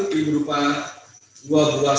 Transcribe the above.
putih berupa dua buah